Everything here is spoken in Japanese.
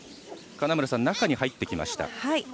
金村さん、中に入ってきました。